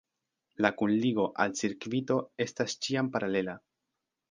La kunligo al cirkvito estas ĉiam paralela.